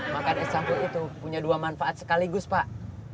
makan es campur itu punya dua manfaat sekaligus pak